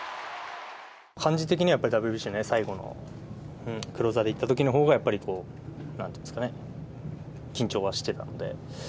感じ的にはＷＢＣの最後のクローザーでいったときのほうがやっぱりこう、なんていうんですかね、緊張はしてたので。